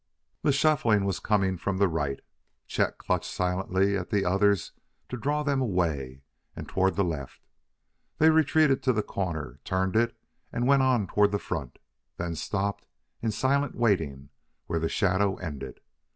The shuffling was coming from the right; Chet clutched silently at the others to draw them away and toward the left. They retreated to the corner, turned it, and went on toward the front; then stopped in silent waiting where the shadow ended.